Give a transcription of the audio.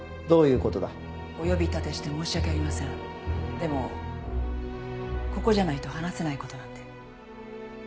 でもここじゃないと話せないことなんで。